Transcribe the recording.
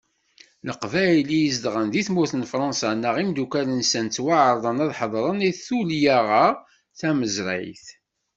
Leqbayel i izedɣen di tmurt n Fransa, neɣ imeddukkal-nsen, ttwaɛerḍen ad ḥeḍren i tullya-a tamazrayt.